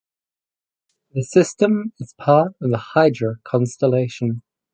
The system is part of the Hydra constellation.